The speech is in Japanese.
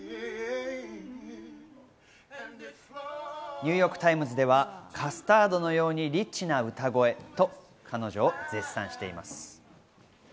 ニューヨーク・タイムズではカスタードのようにリッチな歌声と、彼女を絶賛しています。